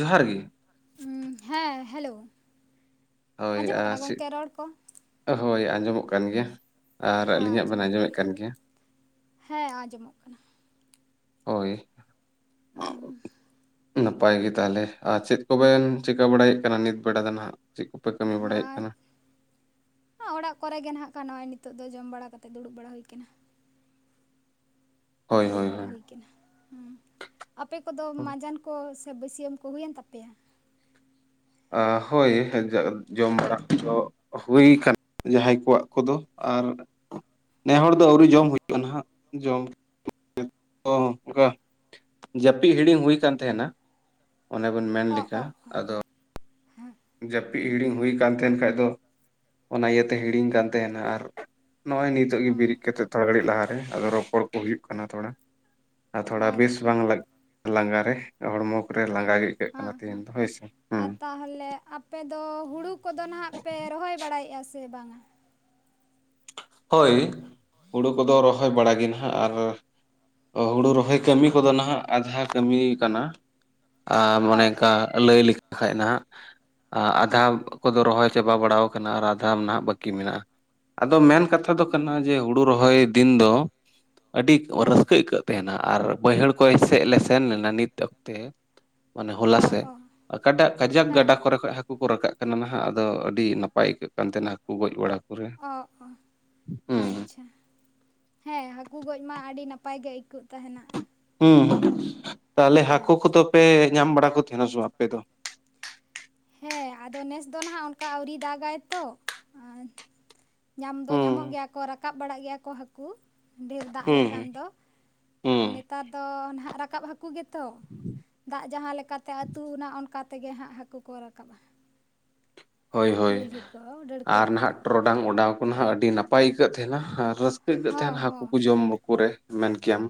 ᱡᱚᱦᱟᱨ ᱜᱮ ᱾ ᱩᱸ, ᱦᱮᱸ ᱦᱮᱞᱳ ᱾ ᱦᱳᱭ ᱟᱨ ᱨᱚᱲ ᱠᱚ ᱦᱳᱭ ᱟᱸᱡᱚᱢᱚᱜ ᱠᱟᱱ ᱜᱮᱭᱟ ᱾ ᱦᱟᱸ ᱡᱚᱦᱟᱨ ᱜᱮ, ᱦᱮᱸ ᱟᱸᱡᱚᱢᱚᱜ ᱠᱟᱱᱟ ᱾ ᱳᱭ ᱾ ᱩᱸᱦ ᱾ [inaudible] ᱱᱟᱯᱟᱭ ᱜᱮ ᱛᱟᱦᱞᱮ ᱟᱨ ᱪᱮᱫ ᱠᱚᱵᱮᱱ ᱪᱤᱠᱟᱹ ᱵᱟᱲᱟᱭᱮᱫ ᱠᱟᱱᱟ ᱱᱤᱛ ᱵᱮᱲᱟ ᱫᱚ ᱱᱟᱦᱟᱜ? ᱪᱮᱫ ᱠᱚᱯᱮ ᱠᱟᱹᱢᱤ ᱵᱟᱲᱟᱭᱮᱫ ᱠᱟᱱᱟ? ᱚᱸ ᱚᱲᱟᱜ ᱠᱚᱨᱮᱜ ᱜᱮ ᱱᱟᱜ ᱠᱷᱟᱱ ᱱᱚᱜᱼᱚᱭ ᱱᱤᱛᱚᱜ ᱫᱚ ᱡᱚᱢ ᱵᱟᱲᱟ ᱠᱟᱛᱮᱫ ᱫᱩᱲᱩᱵ ᱵᱟᱲᱟ ᱦᱳᱭ ᱠᱟᱱᱟ ᱾ ᱡᱤᱨᱟᱹᱣ ᱵᱟᱲᱟ ᱦᱳᱭ ᱠᱟᱱᱟ, ᱦᱩᱸ ᱾ ᱟᱯᱮ ᱠᱚᱫᱚ ᱢᱟᱸᱡᱟᱱ ᱠᱚ ᱥᱮ ᱵᱟᱹᱥᱭᱟᱹᱢ ᱠᱚ ᱦᱳᱭᱮᱱ ᱛᱟᱯᱮᱭᱟ? ᱟ-ᱦᱳᱭ, ᱡᱚᱢ ᱵᱟᱲᱟ ᱠᱚᱫᱚ ᱦᱩᱭ ᱠᱟᱱ, ᱡᱟᱦᱟᱸᱭ ᱠᱚᱣᱟᱜ ᱠᱚᱫᱚ ᱟᱨ ᱱᱮ ᱦᱚᱲ ᱫᱚ ᱟᱹᱣᱨᱤ ᱡᱚᱢ ᱦᱳᱭᱳᱜᱼᱟ ᱱᱟᱦᱟᱜ ᱡᱚᱢ ᱚᱱᱠᱟ ᱾ ᱡᱟᱹᱯᱤᱫ ᱦᱤᱲᱤᱧ ᱦᱩᱭ ᱟᱠᱟᱱ ᱛᱟᱦᱮᱱᱟ ᱚᱱᱮ ᱵᱮᱱ ᱢᱮᱱ ᱚ ᱞᱮᱠᱟ ᱚ ᱟᱫᱚ ᱡᱟᱹᱯᱤᱫ ᱦᱤᱲᱤᱧ ᱦᱩᱭ ᱟᱠᱟᱱ ᱛᱟᱦᱮᱱ ᱠᱷᱟᱱ ᱫᱚ ᱚᱱᱟ ᱤᱭᱟᱹᱛᱮ ᱦᱤᱲᱤᱧ ᱠᱟᱱ ᱛᱟᱦᱮᱱᱟ ᱟᱨ ᱱᱚᱜ ᱚᱭ ᱱᱤᱛᱚᱜ ᱚ, ᱜᱮ ᱵᱤᱨᱤᱫ ᱠᱟᱛᱮᱜ ᱛᱷᱚᱲᱟ ᱜᱷᱟᱹᱲᱤᱡ ᱞᱟᱦᱟᱨᱮ ᱟᱫᱚ ᱨᱚᱯᱚᱲ ᱠᱚ ᱦᱩᱭᱩᱜ ᱠᱟᱱᱟ ᱛᱷᱚᱲᱟ ᱾ ᱟᱨ ᱛᱷᱚᱲᱟ ᱵᱮᱥ ᱟᱪᱪᱷᱟ ᱵᱟᱝ ᱞᱟ-ᱞᱟᱸᱜᱟ ᱨᱮ ᱦᱚᱲᱢᱚ ᱠᱚᱨᱮ ᱞᱟᱸᱜᱟ ᱜᱮ ᱴᱷᱤᱠᱟᱹᱜ ᱠᱟᱱᱟ ᱛᱮᱦᱤᱧ ᱫᱚ ᱦᱳᱭᱥᱮ, ᱦᱮᱸ ᱾ ᱛᱟᱦᱞᱮ ᱟᱯᱮᱫᱚ ᱦᱩᱲᱩ ᱠᱚᱫᱚ ᱱᱟᱦᱟᱜ ᱯᱮ ᱨᱚᱦᱚᱭ ᱵᱟᱲᱟᱭᱮᱜᱼᱟ ᱥᱮ ᱵᱟᱝᱟ? ᱦᱳᱭ, ᱦᱳᱲᱳ ᱠᱚᱫᱚ ᱨᱚᱦᱚᱭ ᱵᱟᱲᱟᱜᱮ ᱱᱟᱦᱟᱜ ᱟᱨ ᱦᱳᱲᱳ ᱨᱚᱦᱚᱭ ᱠᱟᱹᱢᱤ ᱠᱚᱫᱚ ᱱᱟᱦᱟᱜ ᱟᱫᱷᱟ ᱠᱟᱹᱢᱤ ᱠᱟᱱᱟ ᱟᱨ ᱚ ᱚ ᱢᱚᱱᱮᱠᱟᱨ ᱞᱟᱹᱭ ᱞᱮᱠ-ᱠᱷᱟᱡ ᱱᱟᱦᱟᱜ ᱦᱮᱸ ᱟᱫᱷᱟᱣ ᱠᱚᱫᱚ ᱨᱚᱦᱚᱭ ᱪᱟᱵᱟ ᱵᱟᱲᱟ ᱠᱟᱱᱟ ᱟᱨ ᱟᱫᱷᱟᱢ ᱱᱟᱦᱟᱜ ᱵᱟᱹᱠᱤ ᱢᱮᱱᱟᱜᱼᱟ, ᱾ ᱟᱫᱚ ᱢᱮᱱ ᱠᱟᱛᱷᱟ ᱫᱚ ᱠᱟᱱᱟ ᱦᱩᱸ ᱡᱮ ᱦᱳᱲᱳ ᱨᱚᱦᱚᱭ ᱫᱤᱱ ᱫᱚ ᱟᱹᱰᱤ ᱦᱮᱸ ᱨᱟᱹᱥᱠᱟᱹ ᱟᱹᱭᱠᱟᱹᱜ ᱾ ᱛᱮᱦᱮᱱᱟ ᱟᱨ ᱵᱟᱹᱭᱦᱟᱹᱲ ᱠᱚ ᱥᱮᱫ ᱞᱮ ᱥᱮᱱ ᱞᱮᱱᱟ ᱱᱤᱛ ᱚᱠᱛᱮ ᱾ ᱢᱟᱱᱮ ᱦᱚᱞᱟ ᱚ ᱥᱮᱫ, ᱚ ᱟᱠᱟᱴᱟᱜ ᱠᱟᱡᱟᱠ ᱦᱮᱸ ᱜᱟᱰᱟ ᱠᱚᱨᱮ ᱠᱷᱚᱱ ᱦᱟᱠ, ᱦᱟᱹᱠᱩ ᱠᱚ ᱨᱟᱠᱟᱵ ᱠᱟᱱᱟ ᱱᱟᱦᱟᱜ ᱟᱫᱚ ᱟᱹᱰᱤ ᱱᱟᱯᱟᱭ ᱟᱹᱭᱠᱟᱹᱜ ᱠᱟᱱ ᱛᱟᱦᱮᱱᱟ ᱦᱟᱹᱠᱩ ᱜᱚᱡ ᱵᱟᱲᱟ ᱠᱚᱨᱮ ᱾ ᱚᱜ-ᱚ, ᱟᱪ-ᱪᱷᱟ ᱾ ᱦᱮᱸ, ᱦᱟᱠᱩ ᱜᱚᱡ ᱢᱟ ᱟᱹᱰᱤ ᱱᱟᱯᱟᱭ ᱜᱮ ᱟᱹᱭᱠᱟᱹᱜ ᱛᱟᱦᱮᱱᱟ ᱾ ᱦᱩᱸ, ᱛᱟᱦᱚᱞᱮ ᱦᱮᱸ ᱦᱟᱠᱳ ᱠᱚᱫᱚ ᱯᱮ ᱧᱟᱢ ᱵᱟᱲᱟ ᱠᱚ ᱛᱟᱦᱮᱱᱟ ᱥᱮ ᱵᱟᱝ ᱟᱯᱮ ᱫᱚ? ᱦᱮᱸ, ᱟᱫᱚ ᱱᱮᱥ ᱫᱚ ᱱᱟᱦᱟᱜ ᱚᱱᱠᱟ ᱟ ᱹᱣᱨᱤ ᱫᱟᱜ ᱟᱭᱛᱚ ᱾ ᱧᱟᱢ ᱫᱚ ᱧᱟᱢᱚᱜ ᱦᱩᱸ ᱜᱮᱭᱟ ᱠᱚ ᱨᱟᱠᱟᱵ ᱵᱟᱲᱟᱜ ᱜᱮᱭᱟ ᱠᱚ ᱦᱟᱠᱩ ᱾ ᱰᱷᱮᱨ ᱫᱟᱜ ᱦᱩᱸ ᱞᱮᱠᱷᱟᱱ ᱫᱚ ᱟᱨ ᱦᱩᱸ ᱱᱮᱛᱟᱨ ᱫᱚ ᱱᱟᱦᱟᱜ ᱨᱟᱠᱟᱵ ᱦᱟᱠᱩ ᱜᱮᱛᱚ ᱾ ᱫᱟᱜ ᱡᱟᱦᱟᱸ ᱞᱮᱠᱟᱛᱮ ᱟᱹᱛᱩᱱᱟ ᱚᱱᱠᱟ ᱛᱮᱜᱮ ᱦᱟᱸᱜ ᱦᱟᱠᱩ ᱠᱚ ᱨᱟᱠᱟᱵ ᱟ ᱾ ᱦᱳᱭ -ᱦᱳᱭ, ᱠᱚ ᱰᱟᱹᱲᱠᱟᱹ ᱟᱨ ᱠᱚ ᱱᱟᱦᱟᱜ ᱴᱚᱜ ᱴᱚᱨᱚᱰᱟᱝ ᱚᱰᱟᱣ ᱠᱚ ᱱᱟᱦᱟᱜ ᱟᱹᱰᱤ ᱱᱟᱯᱟᱭ ᱟᱹᱭᱠᱟᱹᱜ ᱛᱟᱦᱮᱱᱟ ᱟᱨ ᱨᱟᱹᱥᱠᱟᱹ ᱟᱹᱭᱠᱟᱹᱜ ᱦᱚᱸ ᱛᱟᱦᱮᱱᱟ ᱦᱟᱠᱩ ᱦᱚᱸ ᱠᱚ ᱡᱚᱢ ᱠᱚ ᱨᱮ ᱾ ᱢᱮᱱ ᱠᱮᱭᱟᱢ,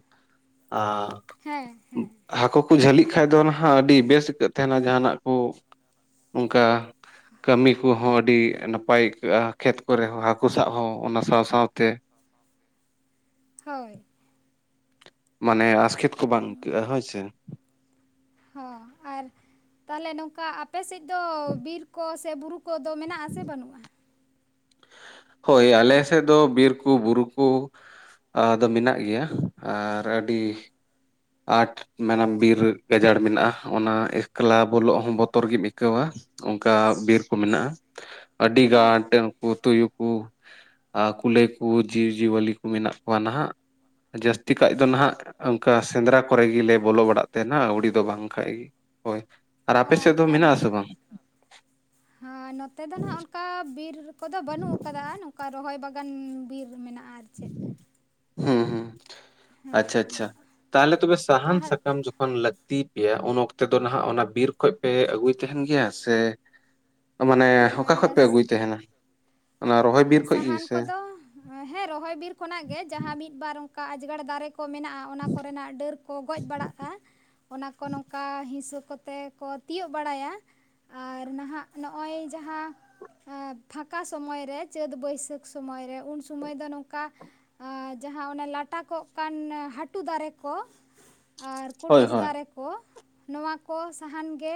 ᱟ-ᱜ ᱦᱮᱸ, ᱦᱮᱸ ᱾ ᱦᱟᱠᱩ ᱠᱚ ᱡᱷᱟᱹᱞᱤᱜ ᱠᱷᱟᱡ ᱫᱚ ᱱᱟᱦᱟᱜ ᱟᱹᱰᱤ ᱵᱮᱹᱥ ᱟᱹᱭᱠᱟᱹᱜ ᱛᱟᱦᱮᱱᱟ ᱡᱟᱦᱟᱱᱟᱜ ᱠᱚ, ᱚᱱᱠᱟ ᱠᱟᱹᱢᱤ ᱠᱚᱦᱚᱸ ᱟᱹᱰᱤ ᱱᱟᱯᱟᱭ ᱟᱹᱭᱠᱟᱹᱜᱼᱟ ᱠᱷᱮᱛ ᱠᱚᱨᱮ ᱦᱚᱸ ᱦᱟᱠᱩ ᱥᱟᱵ ᱦᱚᱸ ᱚᱱᱟ ᱥᱟᱶ ᱥᱟᱶᱛᱮ ᱾ ᱦᱳᱭ ᱾ ᱢᱟᱱᱮ ᱟᱥᱠᱮᱹᱛ ᱠᱚ ᱵᱟᱝ ᱟᱹᱭᱠᱟᱹᱜᱼᱟ ᱦᱳᱭ ᱥᱮ ᱾ ᱦᱚᱸ, ᱟᱨ ᱛᱟᱞᱦᱮ ᱱᱚᱝᱠᱟ ᱟᱯᱮ ᱥᱮᱫ ᱫᱚ ᱵᱤᱨ ᱠᱚ ᱥᱮ ᱵᱩᱨᱩ ᱛᱳᱜ ᱫᱚ ᱢᱮᱱᱟᱜ ᱟᱥᱮ ᱵᱟᱹᱱᱩᱜᱼᱟ? ᱦᱳᱭ ᱟᱞᱮ ᱥᱮᱫ ᱫᱚ ᱵᱤᱨ ᱠᱩ, ᱵᱩᱨᱩ ᱠᱩ, ᱟᱫᱚ ᱢᱮᱱᱟᱜ ᱜᱮᱭᱟ ᱟᱨ ᱟᱹᱰᱤ ᱟᱴ ᱢᱮᱱᱟᱢ ᱵᱤᱨ ᱜᱟᱡᱟᱲ ᱢᱮᱱᱟᱜ-ᱟ ᱚᱱᱟ ᱮᱠᱞᱟ ᱵᱚᱞᱚᱜ ᱦᱚᱸ ᱵᱚᱛᱚᱨ ᱜᱮᱢ ᱟᱹᱭᱠᱟᱹᱣᱟ ᱚᱱᱠᱟ ᱵᱤᱨ ᱠᱚ ᱢᱮᱱᱟᱜ-ᱟ ᱟᱹᱰᱤ ᱦᱮᱸ ᱜᱟᱴ ᱩᱱᱠᱩ ᱛᱩᱭᱩ ᱠᱚ ᱠᱩᱞᱟᱹᱭ ᱠᱚ ᱡᱤᱵᱽ-ᱡᱤᱭᱟᱹᱞᱤ ᱠᱚ ᱢᱮᱱᱟᱜ ᱠᱚᱣᱟ ᱱᱟᱦᱟᱜ ᱡᱟᱹᱥᱛᱤ ᱠᱟᱭ ᱫᱚ ᱱᱟᱦᱟᱜ ᱚᱱᱠᱟ ᱥᱮᱸᱫᱽᱨᱟ ᱠᱚᱨᱮ ᱜᱮᱞᱮ ᱵᱚᱞᱚ ᱵᱟᱲᱟᱜ ᱛᱟᱦᱮᱱᱟ ᱟᱹᱣᱲᱤ ᱫᱚ ᱵᱟᱝ ᱠᱷᱟᱱᱡ ᱜᱮ ᱦᱳᱭ ᱟᱨ ᱚ ᱟᱯᱮ ᱥᱮᱫ ᱫᱚ ᱟᱨ ᱢᱮᱱᱟᱜ ᱟᱥᱮ ᱵᱟᱝ? ᱦᱮᱸ ᱱᱚᱛᱮ ᱫᱚ ᱱᱟᱦᱟᱜ ᱚᱱᱠᱟ ᱵᱤᱨ ᱠᱚᱫᱚ ᱵᱟᱹᱱᱩᱜ ᱠᱟᱫᱟ ᱱᱚᱝᱠᱟ ᱨᱚᱦᱚᱭ ᱵᱟᱜᱟᱱ ᱵᱤᱨ ᱢᱮᱱᱟᱜ-ᱟ ᱟᱨ ᱪᱮᱫ ᱦᱩᱸ ᱦᱩᱸ ᱦᱳᱭ ᱟᱪᱪᱷᱟ ᱟᱪᱪᱷᱟ ᱟᱫᱚ ᱛᱟᱦᱚᱞᱮ ᱛᱚᱵᱮ ᱥᱟᱦᱟᱱ ᱛᱟᱦᱮᱸ ᱥᱟᱠᱟᱢ ᱡᱚᱠᱷᱚᱱ ᱞᱟᱠ ᱛᱤ ᱯᱮᱭᱟ ᱩᱱ ᱚᱠᱛᱮ ᱫᱚ ᱱᱟᱦᱟᱜ ᱚᱱᱟ ᱵᱤᱨ ᱠᱷᱚᱡ ᱯᱮ ᱟᱹᱜᱩᱭ ᱛᱟᱦᱮᱱ ᱜᱮᱭᱟ ᱥᱮ ᱢᱟᱱᱮ ᱚᱠᱟ ᱠᱷᱚᱡ ᱦᱮᱸ ᱯᱮ ᱟᱹᱜᱩᱭ ᱛᱟᱦᱮᱱᱟ ᱚᱱᱟ ᱨᱚᱦᱚᱭ ᱵᱤᱨ ᱠᱷᱚᱡ ᱜᱮ ᱥᱟᱦᱟᱱ ᱥᱮ ᱠᱚᱫᱚ ᱦᱮᱸ ᱨᱚᱦᱚᱭ ᱵᱤᱨ ᱠᱷᱚᱱᱟᱜ ᱜᱮ ᱡᱟᱦᱟᱸ ᱢᱤᱫ ᱵᱟᱨ ᱚᱱᱠᱟ ᱟᱡᱡᱽᱜᱟᱲ ᱫᱟᱨᱮ ᱠᱚ ᱠᱚ ᱢᱮᱱᱟᱜ-ᱟ ᱚᱱᱟ ᱠᱚᱨᱮᱱᱟᱜ ᱰᱟᱹᱨ ᱠᱚ ᱜᱚᱡ ᱵᱟᱲᱟᱜ-ᱟ ᱚᱱᱟ ᱠᱚ ᱱᱚᱝᱠᱟ ᱦᱤᱥᱟᱹ ᱠᱚ ᱛᱮᱠᱚ ᱛᱤᱭᱳᱜ ᱵᱟᱲᱟᱭᱟ᱾ ᱟᱨ ᱱᱟᱦᱟᱜ ᱱᱚᱜ-ᱚᱭ ᱡᱟᱦᱟᱸ ᱯᱷᱟᱠᱟ ᱥᱚᱢᱚᱭ ᱨᱮ ᱪᱟᱹᱛ ᱵᱟᱹᱭᱥᱟᱹᱠᱷ ᱥᱚᱢᱚᱭ ᱨᱮ ᱩᱱ ᱥᱚᱢᱚᱭ ᱫᱚ ᱱᱚᱝᱠᱟ ᱡᱟᱦᱟᱸ ᱚᱱᱟ ᱞᱟᱴᱟᱠᱚᱜ ᱠᱟᱱ ᱦᱟᱹᱴᱩ ᱫᱟᱨᱮ ᱠᱚ ᱟᱨ ᱦᱳᱭ ᱠᱩᱴᱤᱥ ᱦᱳᱭ ᱫᱟᱨᱮ ᱠᱚ ᱱᱚᱣᱟ ᱠᱚ ᱥᱟᱦᱟᱱ ᱜᱮ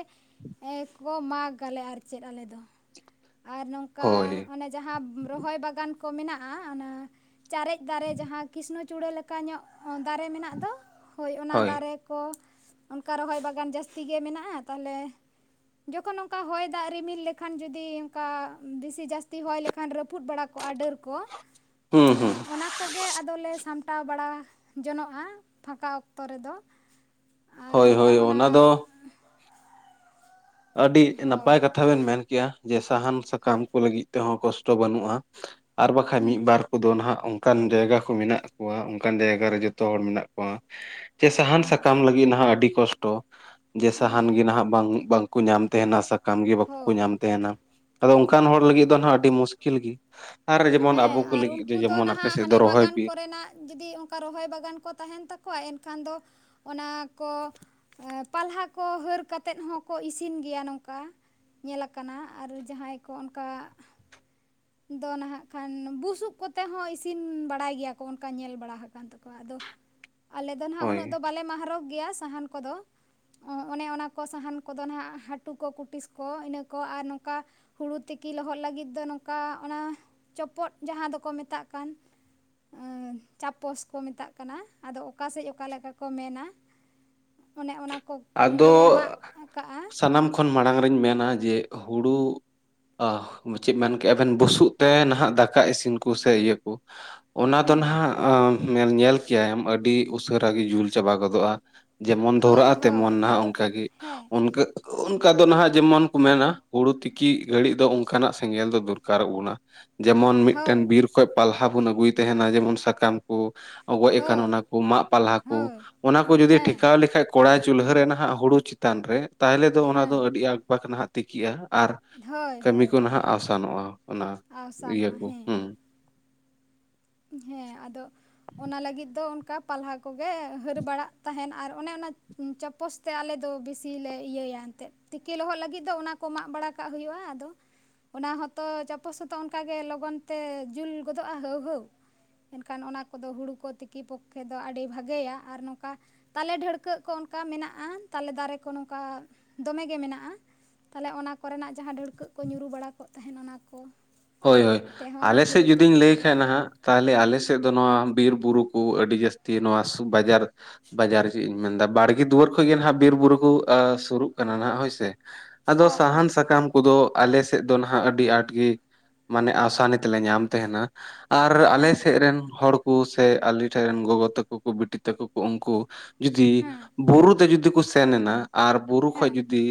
ᱠᱚ ᱢᱟᱜᱽ ᱟᱞᱮ ᱟᱨ ᱪᱮᱫ ᱟᱞᱮᱫᱚ ᱟᱨ ᱱᱚᱝᱠᱟ ᱦᱳᱭ ᱚᱱᱮ ᱡᱟᱦᱟᱸ ᱨᱚᱦᱚᱭ ᱵᱟᱜᱟᱱ ᱠᱚ ᱢᱮᱱᱟᱜ-ᱟ ᱚᱱᱟ ᱪᱟᱨᱮᱡ ᱫᱟᱨᱮ ᱡᱟᱦᱟᱸ ᱠᱨᱤᱥᱱᱚᱪᱩᱲᱟᱹ ᱞᱮᱠᱟ ᱧᱚᱜ ᱫᱟᱨᱮ ᱢᱮᱱᱟᱜ ᱫᱚ ᱦᱳᱭ ᱚᱱᱟ ᱫᱟᱨᱮ ᱠᱚ ᱚᱱᱠᱟ ᱨᱚᱦᱚᱭ ᱵᱟᱜᱟᱱ ᱡᱟᱹᱥᱛᱤ ᱜᱮ ᱢᱮᱱᱟᱜ-ᱟ ᱛᱟᱦᱚᱞᱮ ᱡᱚᱠᱷᱚᱱ ᱚᱱᱠᱟ ᱦᱚᱭ ᱫᱟᱜ ᱨᱤᱢᱤᱞ ᱞᱮᱠᱷᱟᱱ ᱡᱩᱫᱤ ᱚᱱᱠᱟ ᱵᱮᱥᱤ ᱡᱟᱹᱥᱛᱤ ᱦᱚᱭ ᱞᱮᱠᱷᱟᱱ ᱨᱟᱹᱯᱩᱫ ᱵᱟᱲᱟ ᱠᱚᱜ-ᱟ ᱰᱟᱹᱨ ᱠᱚ ᱦᱩᱸ ᱦᱩᱸ ᱚᱱᱟ ᱠᱚᱜᱮ ᱟᱫᱚᱞᱮ ᱥᱟᱢᱴᱟᱣ ᱵᱟᱲᱟ ᱡᱚᱱᱚᱜ-ᱟ ᱯᱷᱟᱠᱟ ᱚᱠᱛᱚ ᱨᱮᱫᱚ ᱟᱨ ᱦᱳᱭ ᱱᱚᱝᱠᱟ ᱦᱳᱭ ᱚᱱᱟ ᱫᱚ ᱟᱹᱰᱤ ᱦᱳᱭ ᱱᱟᱯᱟᱭ ᱠᱟᱛᱷᱟ ᱵᱮᱱ ᱢᱮᱱ ᱠᱮᱜ-ᱟ ᱡᱮ ᱥᱟᱦᱟᱱ ᱥᱟᱠᱟᱢ ᱠᱚ ᱞᱟᱹᱜᱤᱫ ᱛᱮᱦᱚᱸ ᱠᱚᱥᱴᱚ ᱵᱟᱹᱱᱩᱜ-ᱟ᱾ ᱟᱨ ᱵᱟᱠᱷᱟᱱ ᱦᱮᱸ ᱢᱤᱫ ᱵᱟᱨ ᱠᱚᱫᱚ ᱱᱟᱦᱟᱜ ᱚᱱᱠᱟ ᱚᱱᱠᱟᱱ ᱡᱟᱭᱜᱟ ᱠᱚ ᱢᱮᱱᱟᱜ ᱠᱚᱣᱟ ᱚᱱᱠᱟᱱ ᱡᱟᱭᱜᱟ ᱨᱮ ᱡᱚᱛᱚ ᱦᱚᱲ ᱢᱮᱱᱟᱜ ᱠᱚᱣᱟ ᱡᱮ ᱥᱟᱦᱟᱱ ᱦᱮᱸ ᱥᱟᱠᱟᱢ ᱞᱟᱹᱜᱤᱫ ᱱᱟᱦᱟᱜ ᱟᱹᱰᱤ ᱠᱚᱥᱴᱚ ᱡᱮ ᱥᱟᱦᱟᱱ ᱜᱮ ᱦᱮᱸ ᱱᱟᱦᱟᱜ ᱵᱟᱝ ᱵᱟᱝ ᱵᱟ ᱠᱚ ᱧᱟᱢ ᱛᱟᱦᱮᱱᱟ ᱥᱟᱠᱟᱢ ᱜᱮ ᱵᱟᱠᱚ ᱦᱳᱭ ᱧᱟᱢ ᱛᱟᱦᱮᱱᱟ᱾ ᱟᱫᱚ ᱚᱱᱠᱟᱱ ᱦᱚᱲ ᱞᱟᱹᱜᱤᱫ ᱫᱚ ᱱᱟᱦᱟᱜ ᱟᱹᱰᱤ ᱢᱩᱥᱠᱤᱞ ᱜᱮ ᱟᱨ ᱡᱮᱢᱚᱱ ᱦᱮᱸ ᱟᱵᱚ ᱠᱚ ᱟᱨ ᱞᱟᱹᱜᱤᱫ ᱩᱱᱠᱩ ᱫᱚ ᱡᱮᱢᱚᱱ ᱟᱯᱮ ᱱᱟᱦᱟᱜ ᱥᱮᱫ ᱫᱚ ᱦᱟᱱᱮ ᱨᱚᱦᱚᱭ ᱵᱟᱜᱟᱱ ᱵᱤᱨ ᱠᱚᱨᱮᱱᱟᱜ ᱡᱩᱫᱤ ᱚᱱᱠᱟ ᱨᱚᱦᱚᱭ ᱵᱟᱜᱟᱱ ᱠᱚ ᱛᱟᱦᱮᱱ ᱛᱟᱠᱚᱣᱟ ᱮᱱᱠᱷᱟᱱ ᱫᱚ ᱚᱱᱟ ᱠᱚ ᱯᱟᱞᱦᱟ ᱠᱚ ᱦᱟᱹᱨ ᱠᱟᱛᱮᱫ ᱦᱚᱸᱠᱚ ᱤᱥᱤᱱ ᱜᱮᱭᱟ ᱱᱚᱝᱠᱟ ᱧᱮᱞ ᱟᱠᱟᱱᱟ ᱟᱨ ᱡᱟᱦᱟᱸᱭ ᱠᱚ ᱚᱱᱠᱟ ᱫᱚ ᱱᱟᱦᱟᱜ ᱠᱷᱟᱱ ᱵᱩᱥᱩᱵ ᱠᱚᱛᱮ ᱦᱚᱸ ᱤᱥᱤᱱ ᱵᱟᱲᱟᱭ ᱜᱮᱭᱟ ᱠᱚ ᱚᱱᱠᱟ ᱧᱮᱞ ᱵᱟᱲᱟ ᱟᱠᱟᱱ ᱛᱟᱠᱚᱣᱟ ᱟᱫᱚ ᱟᱞᱮ ᱫᱚ ᱱᱟᱦᱟᱜ ᱦᱳᱭ ᱩᱱᱟᱹᱜ ᱫᱚ ᱵᱟᱞᱮ ᱢᱟᱦᱚᱠ ᱜᱮᱭᱟ ᱥᱟᱦᱟᱱ ᱠᱚᱫᱚ ᱚᱱᱮ ᱚᱱᱟ ᱠᱚ ᱥᱟᱦᱟᱱ ᱠᱚᱫᱚ ᱦᱜ ᱦᱟᱹᱴᱩ ᱠᱚ ᱠᱩᱴᱤᱥ ᱠᱚ ᱤᱱᱟᱹ ᱠᱚ ᱟᱨ ᱱᱚᱝᱠᱟ ᱦᱩᱲᱩ ᱛᱤᱠᱤ ᱞᱚᱦᱚᱫ ᱞᱟᱹᱜᱤᱫ ᱫᱚ ᱱᱚᱝᱠᱟ ᱚᱱᱟ ᱪᱚᱯᱚᱫ ᱡᱟᱦᱟᱸ ᱫᱚᱠᱚ ᱢᱮᱛᱟᱜ ᱠᱟᱱ ᱪᱟᱯᱚᱥ ᱠᱚ ᱢᱮᱛᱟᱜ ᱠᱟᱱᱟ ᱟᱫᱚ ᱚᱠᱟᱥᱮᱫ ᱚᱠᱟᱮᱠᱟ ᱠᱚ ᱢᱮᱱᱟ ᱚᱱᱮ ᱚᱱᱟ ᱠᱚ ᱜᱮᱞᱮ ᱢᱟᱜ ᱠᱟᱜ-ᱟ᱾ ᱛᱚᱠᱷᱚᱱ ᱢᱟᱲᱟᱝ ᱨᱮᱱ ᱢᱮᱱᱟ ᱡᱮ ᱦᱳᱲᱳ ᱪᱮᱫ ᱢᱮᱱ ᱠᱮᱜ-ᱟ ᱟᱵᱮᱱ ᱵᱩᱥᱩᱵ ᱛᱮ ᱱᱟᱦᱟᱜ ᱫᱟᱠᱟ ᱤᱥᱤᱱ ᱠᱚ ᱥᱮ ᱤᱭᱟᱹ ᱠᱚ ᱚᱱᱟ ᱫᱚ ᱦᱮᱸ ᱱᱟᱦᱟᱜ ᱧᱮᱞ ᱧ ᱠᱮᱭᱟᱢ ᱟᱹᱰᱤ ᱩᱥᱟᱹᱨᱟ ᱜᱮ ᱡᱩᱞ ᱪᱟᱵᱟ ᱜᱚᱫᱚᱜᱼᱟ᱾ ᱡᱮᱢᱚᱱ ᱦᱳᱭ ᱫᱷᱚᱨᱟᱜᱼᱟ ᱦᱳᱭ ᱛᱮᱢᱚᱱ ᱱᱟᱦ ᱟᱫᱚ ᱚᱱᱠᱟᱜ ᱜᱮ ᱦᱮᱸ ᱚᱱᱠᱟ ᱚᱱᱠᱟ ᱫᱚ ᱱᱟᱦᱟᱜ ᱡᱮᱢᱚᱱ ᱠᱚ ᱢᱮᱱᱟ ᱦᱩᱲᱩ ᱛᱤᱠᱤ ᱜᱷᱟᱹᱲᱤᱡ ᱫᱚ ᱚᱱᱠᱟᱱᱟᱜ ᱥᱮᱸᱜᱮᱞ ᱫᱚ ᱫᱚᱨᱠᱟᱨᱚᱜ ᱵᱚᱱᱟ ᱡᱮᱢᱚᱱ ᱦᱳᱭ ᱢᱤᱫᱴᱮᱱ ᱵᱤᱨ ᱠᱷᱚᱡ ᱯᱟᱞᱦᱟ ᱵᱚᱱ ᱟᱹᱜᱩᱭ ᱛᱟᱦᱮᱱᱟ ᱡᱮᱢᱚᱱ ᱥᱟᱠᱟᱢ ᱠᱚ ᱜᱚᱡ ᱟᱠᱟᱱ ᱦᱳᱭ ᱚᱱᱟ ᱠᱚ ᱢᱟᱜ ᱯᱟᱞᱦᱟ ᱠᱚ ᱦᱳᱭ ᱚᱱᱟ ᱠᱚ ᱡᱩᱫᱤ ᱦᱮᱸ ᱴᱮᱠᱟᱣ ᱞᱮᱠᱷᱟᱡ ᱠᱚᱲᱟᱭ ᱪᱩᱞᱦᱟᱹ ᱨᱮ ᱱᱟᱦᱟᱜ ᱦᱩᱲᱩ ᱪ ᱪᱮᱛᱟᱱ ᱨᱮ ᱛᱟᱦᱚᱞᱮ ᱫᱚ ᱚᱱᱟ ᱫᱚ ᱦᱮᱸ ᱟᱹᱰᱤ ᱟᱠᱵᱟᱠ ᱱᱟᱦᱟᱜ ᱛᱤᱠᱤᱜᱼᱟ ᱟᱨ ᱦᱳᱭ ᱠᱟᱹᱢᱤ ᱦᱳᱭ ᱠᱚ ᱦᱳᱭ ᱱᱟᱦᱟᱜ ᱟᱥᱟᱱᱚᱜᱼᱟ ᱚᱱᱟ ᱤᱭᱟᱹ ᱟᱣᱥᱟᱱᱚᱜᱼᱟ ᱠᱚ ᱦᱮᱸ ᱦᱩᱸ ᱦᱮᱸ ᱟᱫᱚ ᱚᱱᱟ ᱞᱟᱹᱜᱤᱫ ᱫᱚ ᱚᱱᱠᱟ ᱯᱟᱞᱦᱟ ᱠᱚᱜᱮ ᱦᱟᱹᱨ ᱵᱟᱲᱟᱜ ᱛᱟᱦᱮᱱ ᱟᱨ ᱚᱱᱮ ᱚᱱᱟ ᱪᱟᱯᱚᱥ ᱛᱮ ᱟᱞᱮ ᱫᱚ ᱵᱤᱥᱤ ᱞᱮ ᱤᱭᱟᱹᱭᱟ ᱮᱱᱛᱮᱜ ᱛᱤᱠᱤ ᱞᱚᱦᱚᱫ ᱞᱟᱹᱜᱤᱫ ᱫᱚ ᱚᱱᱟ ᱠᱚ ᱢᱟᱜ ᱵᱟᱲᱟ ᱠᱟᱜ ᱦᱩᱭᱩᱜᱼᱟ ᱟᱫᱚ ᱚᱱᱟ ᱦᱚᱸᱛᱚ ᱪᱟᱯᱚᱥᱚᱛᱚ ᱚᱱᱠᱟ ᱜᱮ ᱞᱚᱜᱚᱱ ᱛᱮ ᱡᱩᱞ ᱜᱚᱫᱚᱜᱼᱟ ᱦᱟᱹᱣ ᱦᱟᱹᱣ᱾ ᱮᱱᱠᱷᱟᱱ ᱚᱱᱟ ᱠᱚᱫᱚ ᱦᱩᱲᱩ ᱠᱚ ᱛᱤᱠᱤ ᱯᱚᱠᱠᱷᱮ ᱫᱚ ᱟᱹᱰᱤ ᱵᱷᱟᱜᱮᱭᱟ ᱟᱨ ᱱᱚᱝᱠᱟ ᱛᱟᱞᱮ ᱰᱷᱟᱹᱲᱠᱟᱹᱜ ᱠᱚ ᱚᱱᱠᱟ ᱢᱮᱱᱟᱜᱼᱟ ᱛᱟᱞᱮ ᱫᱟᱨᱮ ᱠᱚ ᱱᱚᱝᱠᱟ ᱫᱚᱢᱮᱜᱮ ᱢᱮᱱᱟᱜᱼᱟ ᱛᱟᱦᱚᱞᱮ ᱚᱱᱟ ᱠᱚᱨᱮᱱᱟᱜ ᱡᱟᱦᱟᱸ ᱰᱷᱟᱹᱲᱠᱟᱹᱜ ᱠᱚ ᱧᱩᱨᱩ ᱵᱟᱲᱟ ᱠᱚᱜ ᱛᱟᱦᱮᱱ ᱚᱱᱟ ᱠᱚ᱾ ᱦᱳᱭ ᱦᱳᱭ ᱟᱞᱮ ᱛᱮᱦᱚᱸ ᱥᱮᱫ ᱦᱩᱲᱩ ᱡᱩᱫᱤᱧ ᱛᱤᱠᱤ ᱞᱟᱹᱭ ᱠᱚᱫᱚ ᱠᱷᱟᱱ ᱱᱟᱦᱟᱜ᱾ ᱛᱟᱦᱚᱞᱮ ᱟᱞᱮ ᱥᱮᱫ ᱫᱚ ᱱᱚᱣᱟ ᱵᱤᱨ ᱵᱩᱨᱩ ᱠᱚ ᱟᱹᱰᱤ ᱡᱟᱹᱥᱛᱤ ᱱᱚᱣᱟ ᱵᱟᱡᱟᱨ ᱵᱟᱡᱟᱨ ᱪᱮᱫ ᱤᱧ ᱢᱮᱱᱫᱟ ᱵᱟᱲᱜᱮ ᱫᱩᱣᱟᱹᱨ ᱠᱷᱚᱡ ᱜᱮ ᱱᱟᱦᱱᱟᱜ ᱵᱤᱨᱼᱵᱩᱨᱩ ᱠᱚ ᱥᱩᱨᱩᱜ ᱠᱟᱱᱟ ᱱᱟᱦᱟᱜ ᱦᱳᱭᱥᱮ᱾ ᱟᱫᱚ ᱚ ᱚ ᱥᱟᱦᱟᱱ ᱚ ᱥᱟᱠᱟᱢ ᱠᱚᱫᱚ ᱟᱞᱮ ᱥᱮᱫ ᱫᱚ ᱱᱟᱦᱟᱜ ᱟᱹᱰᱤ ᱟᱸᱴ ᱜᱮ ᱢᱟᱱᱮ ᱟᱥᱟᱱᱤ ᱛᱮᱞᱮ ᱧᱟᱢ ᱛᱟᱦᱮᱱᱟ ᱟᱨ ᱟᱞ ᱥᱮᱫ ᱦᱮᱸ ᱨᱮᱱ ᱦᱚᱲ ᱠᱚ ᱥᱮ ᱟᱞ ᱴᱷᱮᱱ ᱨᱮᱱ ᱜᱚᱜᱚ ᱛᱟᱠᱚ ᱠᱚ ᱵᱤᱴᱤ ᱛᱟᱠᱚ ᱠᱚ ᱩᱱᱠᱩ ᱡᱩᱫᱤ ᱦᱮᱸ ᱵᱩᱨᱩᱛᱮ ᱡᱩᱫᱤ ᱠᱚ ᱥᱮᱱ ᱮᱱᱟ ᱟᱨ ᱵᱩᱨᱩ ᱠᱷᱚᱡ ᱦᱮᱸ ᱡᱩᱫᱤ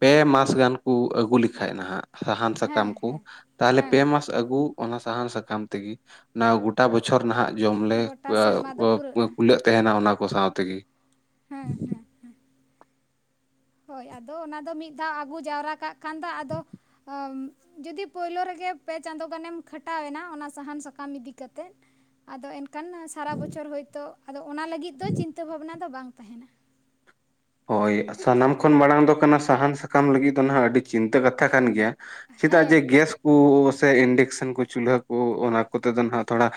ᱯᱮ ᱢᱟᱥ ᱜᱟᱱ ᱠᱚ ᱟᱹᱜᱩ ᱞᱮᱠᱷᱟᱡ ᱱᱟᱦᱟᱜ ᱥᱟᱦᱟᱱ ᱥᱟᱠᱟᱢ ᱦᱮᱸ ᱠᱚ ᱦᱮᱸ ᱛᱟᱦᱚᱞᱮ ᱯᱮ ᱦᱮᱸ ᱢᱟᱥ ᱟᱹᱜᱩ ᱚᱱᱟ ᱥᱟᱦᱟᱱ ᱥᱟᱠᱟᱢ ᱛᱮᱜᱮ ᱚᱱᱟ ᱜᱚᱴᱟ ᱜᱚᱴᱟ ᱵᱚᱪᱷᱚᱨ ᱱᱟᱦᱟᱜ ᱡᱚᱢᱞᱮ ᱜᱚᱴᱟ ᱟ ᱥᱮᱨᱢᱟ ᱫᱚ ᱚᱸ ᱯᱩᱨᱟᱹᱜᱼᱟ ᱠᱩᱞᱟᱹᱜ ᱛᱟᱦᱮᱱᱟ ᱚᱱᱟ ᱠᱚ ᱥᱟᱦᱟᱱ ᱛᱮᱜᱮ᱾ ᱦᱮᱸ ᱦᱮᱸ ᱦᱮᱸ ᱦᱳᱭ ᱟᱫᱚ ᱚᱱᱟᱫᱚ ᱢᱤᱫ ᱫᱷᱟᱣ ᱟᱹᱜᱩ ᱡᱟᱣᱨᱟ ᱠᱟᱜ ᱠᱷᱟᱱ ᱫᱚ ᱟᱫᱚ ᱡᱩᱫᱤ ᱯᱳᱭᱞᱳ ᱨᱮᱜᱮ ᱯᱮ ᱪᱟᱸᱫᱳ ᱜᱟᱱᱮᱢ ᱠᱷᱟᱴᱟᱣ ᱮᱱᱟ ᱚᱱᱟ ᱥᱟᱦᱟᱱ ᱥᱟᱠᱟᱢ ᱤᱫᱤ ᱠᱟᱛᱮᱫ ᱟᱫᱚ ᱮᱱᱠᱷᱟᱱ ᱥᱟᱨᱟ ᱵᱚᱪᱷᱚᱨ ᱦᱳᱭᱛᱚ ᱟᱫᱚ ᱚᱱᱟ ᱞᱟᱹᱜᱤᱫ ᱫᱚ ᱪᱤᱱᱛᱟᱹ ᱵᱷᱟᱵᱱᱟ ᱫᱚ ᱵᱟᱝ ᱛᱟᱦᱮᱱᱟ᱾ ᱦᱳᱭ ᱥᱟᱱᱟᱢ ᱠᱷᱚᱱ ᱢᱟᱲᱟᱝ ᱫᱚ ᱠᱟᱱᱟ ᱥᱟᱦᱟᱱ ᱥᱟᱠᱟᱢ ᱞᱟᱹᱜᱤᱫ ᱫᱚ ᱱᱟᱦᱟᱜ ᱟᱹᱰᱤ ᱪᱤᱱᱛᱟᱹ ᱠᱟᱛᱷᱟ ᱠᱟᱱ ᱜᱮᱭᱟ᱾ ᱪᱮᱫᱟᱜ ᱦᱮᱸ ᱡᱮ ᱜᱮᱥ ᱠᱚ ᱥᱮ ᱤᱱᱰᱮᱠᱥᱮᱱ ᱠᱚ ᱪᱩᱞᱦᱟᱹ ᱠᱩ ᱚᱱᱟ ᱠᱚᱛᱮ ᱫᱚ ᱱᱟᱦᱟᱜ ᱛᱷᱚᱲᱟ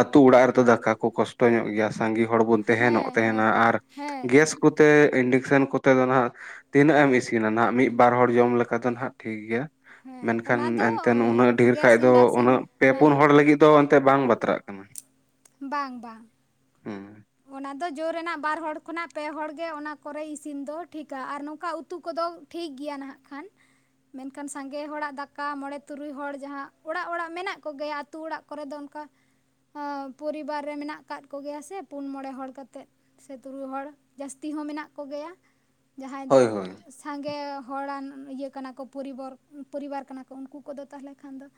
ᱟᱹᱛᱩ ᱚᱲᱟᱜ ᱨᱮᱫᱚ ᱫᱟᱠᱟ ᱠᱚ ᱠᱚᱥᱴᱚ ᱧᱚᱜ ᱜᱮᱭᱟ ᱥᱟᱺᱜᱤ ᱦᱚᱲ ᱵᱚᱱ ᱦᱮᱸ ᱛᱮᱦᱮᱱᱚᱜ ᱛᱮᱦᱮᱱᱟ ᱦᱮᱸ ᱟᱨ ᱦᱮᱸ ᱜᱮᱥ ᱠᱚᱛᱮ ᱤᱱᱰᱮᱠᱥᱮᱱ ᱠᱚᱛᱮ ᱫᱚ ᱱᱟᱦᱟᱜ ᱛᱤᱱᱟᱹᱜ ᱮᱢ ᱤᱥᱤᱱᱟ ᱱᱟᱦᱟᱜ ᱢᱤᱫ ᱵᱟᱨ ᱦᱚᱲ ᱡᱚᱢ ᱞᱮᱠᱟ ᱫᱚ ᱱᱟᱦᱟᱜ ᱴᱷᱤᱠ ᱜᱮᱭᱟ᱾ ᱦᱮᱸ ᱢᱮᱱᱠᱷᱟᱱ ᱚᱱᱟ ᱫᱚ ᱮᱱᱛᱮᱫ ᱩᱱᱟᱹᱜ ᱰᱷᱮᱨ ᱜᱮᱥ ᱠᱷᱟᱡ ᱫᱚ ᱤᱱᱰᱟᱠᱥᱮᱱ ᱩᱱᱟᱹᱜ ᱯᱮ ᱦᱮᱸ ᱯᱩᱱ ᱦᱚᱲ ᱞᱟᱹᱜᱤᱫ ᱫᱚ ᱮᱱᱛᱮᱜ ᱵᱟᱝ ᱵᱟᱛᱨᱟᱜ ᱠᱟᱱᱟ᱾ ᱵᱟᱝ ᱵᱟᱝ᱾ [inaudible] ᱚᱱᱟ ᱫᱚ ᱡᱳᱨ ᱨᱮᱱᱟᱜ ᱵᱟᱨ ᱦᱚᱲ ᱠᱷᱚᱱᱟᱜ ᱯᱮ ᱦᱚᱲ ᱜᱮ ᱚᱱᱟ ᱠᱚᱨᱮᱭ ᱤᱥᱤᱱ ᱫᱚ ᱴᱷᱤᱠᱟ ᱟᱨ ᱱᱚᱝᱠᱟ ᱩᱛᱩ ᱠᱚᱫᱚ ᱴᱷᱤᱠ ᱜᱮᱭᱟ ᱱᱟᱦᱟᱜ ᱠᱷᱟᱱ᱾ ᱢᱮᱱᱠᱷᱟᱱ ᱥᱟᱸᱜᱮ ᱦᱚᱲᱟᱜ ᱫᱟᱠᱟ ᱢᱚᱬᱮ ᱛᱩᱨᱩᱭ ᱦᱚᱲ ᱡᱟᱦᱟᱸ ᱚᱲᱟᱜ ᱚᱲᱟᱜ ᱢᱮᱱᱟᱜ ᱠᱚᱜᱮᱭᱟ ᱟ. ᱛᱩ ᱚᱲᱟᱜ ᱠᱚᱨᱮ ᱫᱚ ᱚᱱᱠᱟ ᱮ ᱯᱚᱨᱤᱵᱟᱨ ᱨᱮ ᱢᱮᱱᱟᱜ ᱟᱠᱟᱫ ᱠᱚᱜᱮᱭᱟ ᱥᱮ ᱯᱩᱱ ᱢᱚᱬᱮ ᱦᱚᱲ ᱠᱟᱛᱮᱜ ᱥᱮ ᱛᱩᱨᱩᱭ ᱦᱚᱲ ᱡᱟᱹᱥᱛᱤ ᱦᱚᱸ ᱢᱮᱱᱟᱜ ᱠᱚᱜᱮᱭᱟ ᱡᱟᱦᱟᱸᱭ ᱫᱚ ᱦᱳᱭ ᱦᱳᱭ ᱥᱟᱸᱜᱮ ᱦᱚᱲᱟᱱ ᱤᱭᱟᱹ ᱠᱟᱱᱟ ᱠᱚ ᱯᱚᱨᱤᱵᱚᱨ ᱯᱚᱨᱤᱵᱟᱨ ᱠᱟᱱᱟ ᱠᱚ ᱩᱱᱠᱩ ᱠᱚᱫᱚ ᱛᱟᱦᱚᱞᱮ ᱠᱷᱟᱱ ᱫᱚ᱾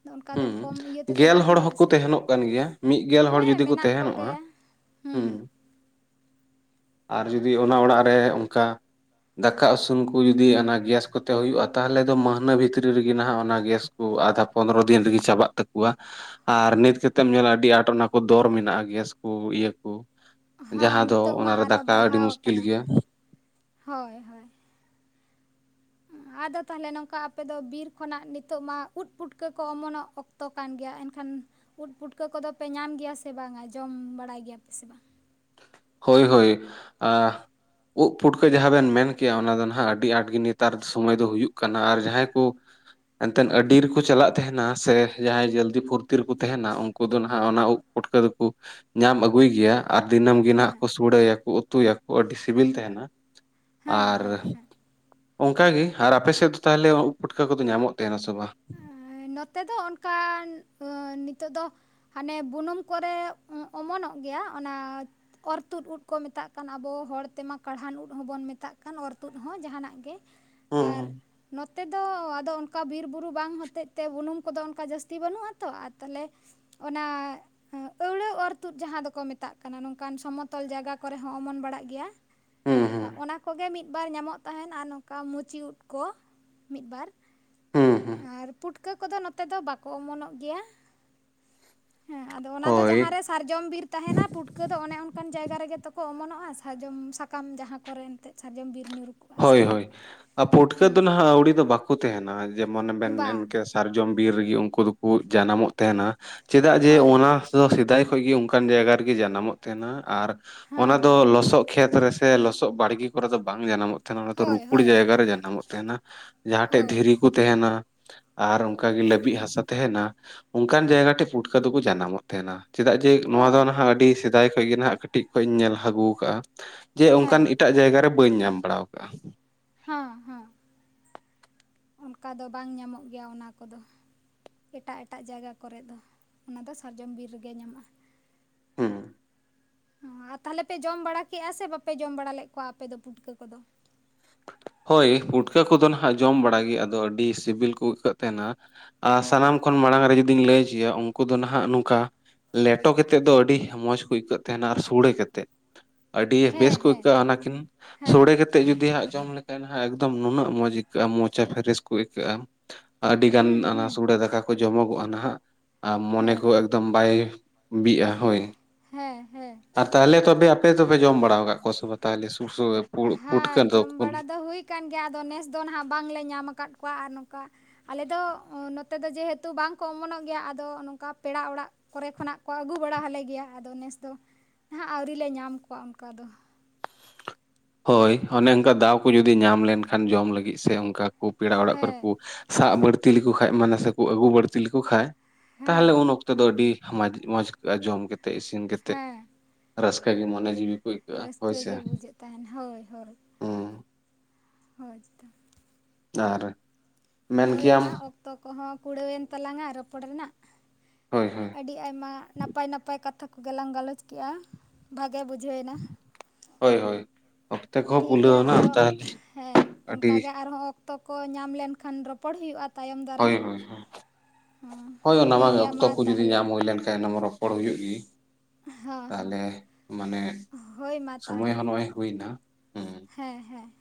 [inaudible] ᱦᱩᱸ᱾ ᱠᱚᱢ ᱤᱭᱟᱹ ᱛᱮᱫᱚ ᱜᱮᱞ ᱵᱟᱝ ᱦᱚᱲ ᱦᱩᱭᱩᱜ ᱟᱥᱮ ᱦᱚᱸᱠᱚ ᱛᱮᱦᱮᱱᱚᱜ ᱠᱟᱱ ᱜᱮᱭᱟ ᱢᱤᱫ ᱜᱮᱞ ᱦᱚᱲ ᱦᱮᱸ ᱡᱩᱫᱤ ᱠᱚ ᱢᱮᱱᱟᱜ ᱛᱮᱦᱮᱱᱚᱜ-ᱟ᱾ ᱠᱚᱜᱮᱭᱟ ᱦᱮᱸ ᱦᱩᱸ᱾ ᱟᱨ ᱡᱩᱫᱤ ᱚᱱᱟ ᱚᱲᱟᱜ ᱨᱮ ᱚᱝᱠᱟ ᱫᱟᱠᱟ ᱩᱥᱩᱱ ᱠᱚ ᱡᱩᱫᱤ ᱚᱱᱟ ᱜᱮᱥ ᱠᱚᱛᱮ ᱦᱩᱭᱩᱜ-ᱟ ᱛᱟᱦᱞᱮ ᱫᱚ ᱢᱟᱹᱦᱱᱟᱹ ᱵᱷᱤᱛᱨᱤ ᱨᱮᱜᱮ ᱱᱟᱦᱟᱜ ᱚᱱᱟ ᱜᱮᱥ ᱠᱚ ᱟᱫᱷᱟ ᱯᱚᱱᱫᱨᱚ ᱫᱤᱱ ᱨᱮᱜᱮ ᱪᱟᱵᱟᱜ ᱛᱟᱠᱚᱣᱟ᱾ ᱟᱨ ᱱᱤᱛ ᱠᱟᱛᱮᱫ ᱮᱢ ᱧᱮᱞᱟ ᱟᱹᱰᱤ ᱟᱸᱴ ᱚᱱᱟ ᱠᱚ ᱫᱚᱨ ᱢᱮᱱᱟᱜ-ᱟ ᱜᱮᱥ ᱠᱚ ᱤᱭᱟᱹ ᱠᱚ᱾ ᱦᱮᱸ ᱡᱟᱦᱟᱸ ᱫᱚ ᱱᱤᱛᱚᱜ ᱢᱟ ᱚᱱᱟᱨᱮ ᱟᱨᱚ ᱫᱟᱠᱟ ᱟᱹᱰᱤ ᱵᱟᱲᱦᱟᱣ ᱢᱩᱥᱠᱤᱞ ᱟᱠᱟᱱᱟ ᱜᱮᱭᱟ᱾ ᱦᱳᱭ ᱦᱳᱭ᱾ ᱟᱫᱚ ᱛᱟᱦᱞᱮ ᱱᱚᱝᱠᱟ ᱟᱯᱮ ᱫᱚ ᱵᱤᱨ ᱠᱷᱚᱱᱟᱜ ᱱᱤᱛᱚᱜ ᱢᱟ ᱩᱫ ᱯᱩᱴᱠᱟᱹ ᱠᱚ ᱚᱢᱚᱱᱚᱜ ᱚᱠ ᱛᱚ ᱠᱟᱱ ᱜᱮᱭᱟ᱾ ᱮᱱᱠᱷᱟᱱ ᱩᱫ ᱯᱩᱴᱠᱟᱹ ᱠᱚᱫᱚ ᱯᱮ ᱧᱟᱢ ᱜᱮᱭᱟ ᱥᱮ ᱵᱟᱝᱟ, ᱡᱚᱢ ᱵᱟᱲᱟᱭ ᱜᱮᱭᱟ ᱯᱮ ᱥᱮ ᱵᱟᱝ? ᱦᱳᱭ ᱦᱳᱭ ᱟ ᱩᱜ ᱯᱩᱴᱠᱟᱹ ᱡᱟᱦᱟᱸ ᱵᱮᱱ ᱢᱮᱱ ᱠᱮᱜᱼᱟ ᱚᱱᱟ ᱫᱚ ᱱᱟᱦᱟᱜ ᱟᱹᱰᱤ ᱟᱸᱴ ᱜᱮ ᱱᱮᱛᱟᱨ ᱥᱚᱢᱚᱭ ᱫᱚ ᱦᱩᱭᱩᱜ ᱠᱟᱱᱟ ᱟᱨ ᱡᱟᱦᱟᱸᱭ ᱠᱚ ᱮᱱᱛᱮᱫ ᱟᱹᱰᱤ ᱨᱮᱠᱚ ᱪᱟᱞᱟᱜ ᱛᱮᱦᱮᱱᱟ ᱥᱮ ᱡᱟᱦᱟᱸᱭ ᱡᱚᱞᱫᱤ ᱯᱷᱩᱨᱛᱤ ᱨᱮᱠᱚ ᱛᱮᱦᱮᱱᱟ ᱩᱱᱠᱩ ᱫᱚ ᱱᱟᱦᱟᱜ ᱚᱱᱟ ᱩᱜ ᱯᱩᱴᱠᱟᱹ ᱫᱚᱠᱚ ᱧᱟᱢ ᱟᱹᱜᱩᱭ ᱜᱮᱭᱟ᱾ ᱟᱨ ᱫᱤᱱᱟᱹᱢ ᱜᱮ ᱱᱟᱦᱟᱜ ᱦᱮᱸ ᱠᱚ ᱥᱩᱲᱟᱹᱭᱟᱠᱚ ᱩᱛᱩᱭᱟᱠᱚ ᱟᱹᱰᱤ ᱥᱤᱵᱤᱞ ᱛᱟᱸᱦᱮᱱᱟ᱾ ᱦᱮᱸ ᱟᱨ ᱦᱮᱸ ᱦᱮᱸ ᱚᱱᱠᱟ ᱜᱮ ᱟᱨ ᱟᱯᱮ ᱥᱮᱫ ᱫᱚ ᱛᱟᱦᱚᱞᱮ ᱩᱜ ᱯᱩᱴᱠᱟᱹ ᱠᱚᱫᱚ ᱧᱟᱢᱚᱜ ᱛᱟᱸᱦᱮᱱᱟ ᱥᱮ ᱵᱟᱝ? ᱱᱚᱛᱮ ᱫᱚ ᱚᱱᱠᱟᱱ ᱱᱤᱛᱚᱜ ᱫᱚ ᱦᱟᱱᱮ ᱵᱩᱱᱩᱢ ᱠᱚᱨᱮ ᱚᱢᱚᱱᱚᱜ ᱜᱮᱭᱟ ᱚᱱᱟ ᱚᱨᱛᱩᱫ ᱩᱫ ᱠᱚ ᱢᱮᱛᱟᱜ ᱠᱟᱱᱟ ᱟᱵᱚ ᱦᱚᱲ ᱛᱮᱢᱟ ᱠᱟᱬᱦᱟᱱ ᱩᱫ ᱦᱚᱸᱵᱚᱱ ᱢᱮᱛᱟᱜ ᱠᱟᱱ ᱚᱨᱛᱩᱫ ᱦᱚᱸ ᱡᱟᱸᱦᱟᱱᱟᱜ ᱜᱮ᱾ ᱦᱩᱸ ᱟᱨ ᱦᱩᱸ ᱱᱚᱛᱮ ᱫᱚ ᱟᱫᱚ ᱚᱱᱠᱟ ᱵᱤᱨᱵᱩᱨᱩ ᱵᱟᱝ ᱦᱚᱛᱮᱡ ᱛᱮ ᱵᱩᱱᱩᱢ ᱠᱚᱫᱚ ᱚᱱᱠᱟ ᱡᱟᱹᱥᱛᱤ ᱵᱟᱹᱱᱩᱜ-ᱟ ᱛᱚ ᱟᱨ ᱛᱟᱞᱦᱮ ᱚᱱᱟ ᱦᱮᱸ ᱟᱹᱣᱲᱟᱹ ᱚᱨᱛᱩᱫ ᱡᱟᱦᱟᱸ ᱫᱚᱠᱚ ᱢᱮᱛᱟᱜ ᱠᱟᱱᱟ ᱱᱚᱝᱠᱟᱱ ᱥᱚᱢᱚᱛᱚᱞ ᱡᱟᱭᱜᱟ ᱠᱚᱨᱮ ᱦᱚᱸ ᱚᱢᱚᱱ ᱵᱟᱲᱟᱜ ᱜᱮᱭᱟ᱾ ᱦᱩᱸ ᱦᱩᱸ ᱚᱱᱟ ᱠᱚᱜᱮ ᱢᱤᱫ-ᱵᱟᱨ ᱧᱟᱢᱚᱜ ᱛᱟᱸᱦᱮᱱ ᱟᱨ ᱱᱚᱝᱠᱟ ᱢᱩᱪᱤ ᱩᱸᱫ ᱠᱚ ᱢᱤᱫ-ᱵᱟᱨ᱾ ᱦᱩᱸ ᱦᱩᱸ ᱟᱨ ᱯᱩᱴᱠᱟᱹ ᱠᱚᱫᱚ ᱱᱚᱛᱮ ᱫᱚ ᱵᱟᱠᱚ ᱚᱢᱚᱱᱚᱜ ᱜᱮᱭᱟ᱾ ᱦᱮᱸ ᱟᱫᱚ ᱚᱱᱟ ᱫᱚ ᱦᱳᱭ ᱡᱟᱦᱟᱸᱨᱮ ᱥᱟᱨᱡᱚᱢ ᱵᱤᱨ ᱛᱟᱸᱦᱮᱱᱟ ᱯᱩᱴᱠᱟᱹ ᱫᱚ ᱚᱱᱮ ᱚᱱᱠᱟᱱ ᱡᱟᱭᱜᱟ ᱨᱮᱜᱮ ᱛᱚᱠᱚ ᱚᱢᱚᱱᱚᱜ-ᱟ ᱥᱟᱨᱡᱚᱢ ᱥᱟᱠᱟᱢ ᱡᱟᱦᱟᱸ ᱠᱚᱨᱮ ᱮᱱᱛᱮᱫ᱾ ᱥᱟᱨᱡᱚᱢ ᱵᱤᱨ ᱧᱩᱨ ᱦᱳᱭ ᱦᱳᱭ ᱟᱨ ᱯᱩᱴᱠᱟᱹ ᱫᱚ ᱱᱟᱦᱟᱜ ᱟᱹᱣᱲᱤ ᱫᱚ ᱵᱟᱠᱚ ᱛᱟᱸᱦᱮᱱᱟ ᱡᱮᱢᱚᱱᱮᱢ ᱵᱟ ᱢᱮᱱ ᱠᱮᱥ ᱥᱟᱨᱡᱚᱢ ᱵᱤᱨ ᱨᱮᱜᱮ ᱩᱱᱠᱩ ᱫᱚᱠᱚ ᱡᱟᱱᱟᱢᱚᱜ ᱛᱟᱦᱮᱱᱟ ᱪᱮᱫᱟᱜ ᱡᱮ ᱦᱳᱭ ᱚᱱᱟ ᱫᱚ ᱥᱮᱫᱟᱭ ᱠᱷᱚᱡ ᱜᱮ ᱚᱱᱠᱟᱱ ᱡᱟᱭᱜᱟ ᱨᱮᱜᱮ ᱡᱟᱱᱟᱢᱚᱜ ᱛᱮᱦᱮᱱᱟ ᱟᱨ ᱚᱱᱟ ᱦᱮᱸ ᱫᱚ ᱞᱚᱥᱚᱫ ᱠᱷᱮᱛ ᱨᱮ ᱥᱮ ᱞᱚᱥᱚᱫ ᱵᱟᱲᱜᱮ ᱠᱚᱨᱮ ᱫᱚ ᱵᱟᱝ ᱡᱟᱱᱟᱢᱚᱜ ᱛᱟᱦᱮᱱᱟ ᱚᱱᱟ ᱫᱚ ᱦᱳᱭ ᱨᱩᱠᱩᱲ ᱦᱳᱭ ᱡᱟᱭᱜᱟ ᱨᱮ ᱡᱟᱱᱟᱢᱚᱜ ᱛᱟᱸᱦᱮᱱᱟ᱾ ᱡᱟᱦᱟᱸ ᱴᱷᱮᱡ ᱦᱳᱭ ᱫᱷᱤᱨᱤ ᱠᱚ ᱛᱮᱦᱮᱱᱟ᱾ ᱟᱨ ᱚᱝᱠᱟᱜᱮ ᱞᱟᱹᱵᱤᱫ ᱦᱟᱥᱟ ᱛᱟᱦᱮᱱᱟ, ᱚᱱᱠᱟᱱ ᱡᱟᱭᱜᱟ ᱴᱷᱮᱡ ᱯᱩᱴᱠᱟᱹ ᱫᱚ ᱠᱚ ᱡᱟᱱᱟᱢᱚᱜ ᱛᱟᱸᱦᱮᱱᱟ᱾ ᱪᱮᱫᱟᱜ ᱡᱮ ᱱᱚᱣᱟ ᱫᱚ ᱦᱳᱭ ᱱᱟᱦᱟᱜ ᱟᱹᱰᱤ ᱥᱮᱫᱟᱭ ᱠᱷᱚᱡ ᱜᱮ ᱱᱟᱦᱟᱜ ᱠᱟᱹᱴᱤᱡ ᱠᱷᱚᱡ ᱤᱧ ᱧᱮᱞ ᱟᱹᱜᱩ ᱟᱠᱟᱜ-ᱟ ᱡᱮ ᱚᱝᱠᱟᱱ ᱦᱮᱸ ᱮᱴᱟᱜ ᱡᱟᱭᱜᱟ ᱨᱮ ᱵᱟᱹᱧ ᱧᱟᱢ ᱵᱟᱲᱟᱣ ᱦᱚᱸ ᱦᱚᱸ᱾ ᱚᱱᱠᱟ ᱫᱚ ᱵᱟᱝ ᱧᱟᱢᱚᱜ ᱜᱮᱭᱟ ᱚᱱᱟ ᱠᱚᱫᱚ᱾ ᱮᱴᱟᱜ ᱮᱴᱟᱜ ᱡᱟᱭᱜᱟ ᱠᱚᱨᱮᱫ ᱫᱚ, ᱚᱱᱟ ᱫᱚ ᱥᱟᱨᱡᱚᱢ ᱵᱤᱨ ᱨᱮᱜᱮ ᱧᱟᱢᱚᱜ-ᱟ᱾ ᱦᱩᱸ ᱦᱚᱸ, ᱛᱟᱦᱞᱮ ᱯᱮ ᱡᱚᱢ ᱵᱟᱲᱟ ᱠᱮᱜ-ᱟ ᱥᱮ ᱵᱟᱯᱮ ᱡᱚᱢ ᱵᱟᱲᱟ ᱞᱮᱫ ᱠᱚᱣᱟ ᱟᱯᱮ ᱫᱚ ᱯᱩᱴᱠᱟᱹ ᱠᱚᱫᱚ? ᱦᱳᱭ ᱯᱩᱴᱠᱟᱹ ᱠᱚᱫᱚ ᱱᱟᱦᱟᱜ ᱡᱚᱢ ᱵᱟᱲᱟ ᱜᱮ ᱟᱫᱚ ᱟᱹᱰᱤ ᱥᱤᱵᱤᱞ ᱠᱚ ᱟᱹᱭᱠᱟᱹᱜ ᱛᱟᱸᱦᱮᱱᱟ᱾ ᱟᱨ ᱥᱟᱱᱟᱢ ᱠᱷᱚᱱ ᱢᱟᱲᱟᱝ ᱨᱮ ᱡᱩᱫᱤᱧ ᱞᱟᱹᱭ ᱦᱚᱪᱚᱭᱟ ᱩᱱᱠᱩ ᱫᱚ ᱱᱟᱦᱟᱜ ᱱᱚᱝᱠᱟ ᱞᱮᱴᱚ ᱠᱟᱛᱮᱫ ᱫᱚ ᱟᱹᱰᱤ ᱢᱚᱡᱽ ᱠᱚ ᱟᱹᱭᱠᱟᱹᱜ ᱛᱟᱦᱮᱱᱟ ᱟᱨ ᱥᱳᱲᱮ ᱠᱟᱛᱮᱫ᱾ ᱟᱹᱰᱤ ᱵᱮᱥ ᱦᱮᱸ ᱠᱚ ᱦᱮᱸ ᱟᱹᱭᱠᱟᱹᱜ-ᱟ ᱚᱱᱟ ᱠᱤᱱ ᱦᱮᱸ ᱥᱳᱲᱮ ᱠᱟᱛᱮᱫ ᱡᱩᱫᱤ ᱦᱟᱸᱜ ᱡᱚᱢ ᱞᱮᱠᱟᱱ ᱱᱟᱦᱟᱜ ᱮᱠᱫᱚᱢ ᱱᱩᱱᱟᱹᱜ ᱢᱚᱡᱽ ᱟᱹᱭᱠᱟᱹᱜ-ᱟ, ᱢᱚᱪᱟ ᱯᱷᱮᱨᱮᱥ ᱠᱚ ᱟᱹᱭᱠᱟᱹᱜ-ᱟ᱾ ᱟᱹᱰᱤ ᱜᱟᱱ ᱦᱩᱸ ᱚᱱᱟ ᱦᱩᱸ ᱥᱩᱲᱮ ᱫᱟᱠᱟ ᱠᱚ ᱡᱚᱢᱚᱜᱚᱜᱼᱟ ᱱᱟᱜ, ᱟᱨ ᱢᱚᱱᱮ ᱦᱮᱸ ᱠᱚᱼᱼ ᱛᱚᱵᱟᱭ ᱵᱤᱜᱼᱟ ᱾ ᱦᱮᱸ ᱦᱮᱸ᱾ ᱟᱨ ᱛᱟᱦᱚᱞᱮ ᱛᱚᱵᱮ ᱟᱯᱮ ᱫᱚᱯᱮ ᱡᱚᱢ ᱵᱟᱲᱟ ᱟᱠᱟᱫ ᱠᱚᱣᱟ ᱥᱮ ᱛᱟᱦᱚᱞᱮ ᱥᱩᱥᱚ ᱫᱚ ᱾ ᱦᱮᱸ ᱡᱚᱢ ᱵᱟᱲᱟ ᱫᱚ ᱦᱩᱭ ᱠᱟᱱ ᱜᱮᱭᱟ ᱟᱫᱚ ᱱᱮᱥ ᱫᱚ ᱱᱟᱦᱟᱜ ᱵᱟᱝᱞᱮ ᱧᱟᱢ ᱟᱠᱟᱫ ᱠᱚᱣᱟ ᱟᱨ ᱱᱚᱝᱠᱟᱼᱼ ᱟᱞᱮᱚ ᱱᱚᱛᱮ ᱫᱚ ᱡᱮᱦᱮᱛᱩ ᱵᱟᱝ ᱚᱢᱚᱱᱚᱜ ᱜᱮᱭᱟ ᱾ ᱟᱫᱚ ᱱᱚᱝᱠᱟ ᱯᱮᱲᱟ ᱚᱲᱟᱜᱼᱼ ᱠᱚᱨᱮ ᱠᱷᱚᱱᱟᱜ ᱠᱚ ᱟᱹᱜᱩ ᱵᱟᱲᱟ ᱟᱞᱮ ᱜᱮᱭᱟ, ᱟᱫᱚ ᱱᱮᱥ ᱫᱚ ᱱᱟᱜ ᱟᱹᱣᱨᱤᱞᱮ ᱧᱟᱢ ᱠᱚᱣᱟ ᱚᱱᱠᱟ ᱫᱚ ᱾ ᱦᱳᱭ ᱚᱱᱮ ᱚᱱᱠᱟ ᱫᱟᱣ ᱠᱚ ᱡᱩᱫᱤ ᱧᱟᱢ ᱞᱮᱱᱠᱷᱟᱱ ᱡᱚᱢ ᱞᱟᱹᱜᱤᱫ ᱥᱮ ᱚᱱᱠᱟᱼᱼ ᱯᱮᱲᱟ ᱚᱲᱟᱜ ᱠᱚᱨᱮ ᱦᱮᱸ ᱠᱚ ᱥᱟᱵ ᱵᱟᱹᱲᱛᱤ ᱞᱮᱠᱚ ᱠᱷᱟᱡ ᱢᱟᱱᱮ ᱥᱮᱠᱚ ᱟᱹᱜᱩ ᱵᱟᱹᱲᱛᱤ ᱞᱮᱠᱚ ᱠᱷᱟᱱᱼᱼ ᱦᱮᱸ ᱛᱟᱦᱚᱞᱮ ᱩᱱ ᱚᱠᱛᱚ ᱫᱚ ᱟᱹᱰᱤ ᱢᱚᱡᱽ, ᱢᱚᱡᱽ ᱡᱚᱢ ᱠᱟᱛᱮᱫ ᱤᱥᱤᱱ ᱠᱟᱛᱮᱫᱼᱼ ᱦᱮᱸ ᱨᱟᱹᱥᱠᱟᱹ ᱜᱮ ᱢᱚᱱᱮ ᱡᱤᱵᱤᱼᱼ ᱨᱟᱹᱥᱠᱟᱹ ᱜᱮ ᱵᱩᱡᱷᱟᱹᱜ ᱛᱟᱦᱮᱱ ᱦᱚᱭ ᱦᱚᱭ ᱾ ᱦᱩᱸ ᱦᱚᱭ ᱛᱚ ᱾ ᱰᱟᱨᱼᱼ ᱦᱳᱭ ᱢᱟ ᱚᱠᱛᱚ ᱠᱚᱦᱚᱸ ᱠᱩᱲᱟᱹᱣᱮᱱ ᱛᱟᱞᱟᱝᱟ ᱨᱚᱯᱚᱲ ᱨᱮᱱᱟᱜ ᱾ ᱦᱳᱭ ᱦᱳᱭ ᱾ ᱟᱹᱰᱤ ᱟᱭᱢᱟ ᱱᱟᱯᱟᱭ ᱱᱟᱯᱟᱭ ᱠᱟᱛᱷᱟ ᱠᱚᱜᱮ ᱞᱟᱝ ᱜᱟᱞᱚᱪ ᱠᱮᱫᱮᱜᱼᱟ, ᱵᱷᱟᱜᱮ ᱵᱩᱡᱷᱟᱹᱣ ᱮᱱᱟ ᱾ ᱦᱚᱭ ᱦᱚᱭ ᱴᱷᱤᱠ ᱜᱮᱭᱟ ᱟᱨᱚ ᱦᱮᱸ ᱟᱹᱰᱤ ᱚᱱᱠᱟ ᱜᱮ ᱟᱨᱦᱚᱸ ᱚᱠᱛᱚ ᱠᱚ ᱧᱟᱢ ᱞᱮᱱᱠᱷᱟᱱ ᱨᱚᱯᱼᱼ ᱨᱚᱯᱚᱲ ᱦᱩᱭᱩᱜᱼᱟ ᱛᱟᱭᱚᱢ ᱫᱟᱨᱟᱢ ᱾ ᱦᱚᱭ ᱚᱱᱟᱢᱟ ᱜᱮᱭᱟ ᱚᱠᱛᱚ ᱢᱟ ᱠᱚ ᱡᱩᱫᱤ ᱛᱟᱦᱚᱞᱮ ᱧᱟᱢ ᱦᱩᱭ ᱞᱮᱱᱠᱷᱟᱱ ᱚᱱᱟ ᱢᱟ ᱨᱚᱯᱚᱲ ᱦᱩᱭᱩᱜ ᱜᱮ ᱦᱚᱸ ᱾ ᱦᱚᱸ ᱛᱟᱦᱞᱮ ᱢᱟᱱᱮ ᱦᱳᱭ ᱢᱟ ᱥᱚᱢᱚᱭ ᱛᱟᱦᱚᱞᱮ ᱦᱚᱸ ᱦᱩᱭᱱᱟ ᱾ ᱦᱮᱸ ᱦᱮᱸ ᱾